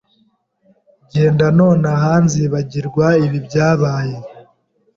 Genda nonaha nzibagirwa ibi byabaye.